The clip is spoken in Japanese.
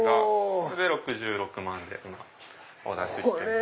これで６６万でお出ししてます。